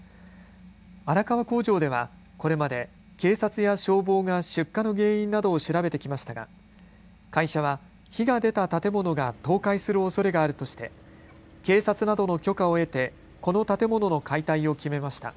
荒川工場ではこれまで警察や消防が出火の原因などを調べてきましたが会社は火が出た建物が倒壊するおそれがあるとして警察などの許可を得てこの建物の解体を決めました。